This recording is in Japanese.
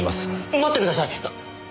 待ってください！